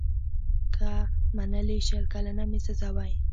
که منلې شل کلنه مي سزا وای